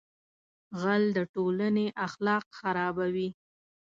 غل د ټولنې اخلاق خرابوي